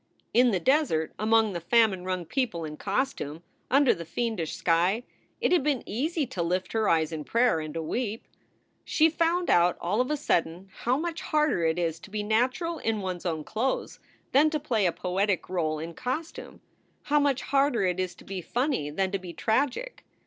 In the desert, among the famine wrung people in costume, under the fiendish sky, it had been easy to lift her eyes in prayer and to weep. She found out all of a sudden how much harder it is to be natural in one s own clothes than to play a poetic role in cos tume ; how much harder it is to be funny than to be tragic.